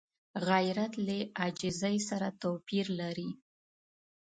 غیرت له عاجزۍ سره توپیر لري